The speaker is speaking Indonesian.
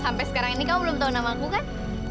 sampai sekarang ini kamu belum tau namaku kan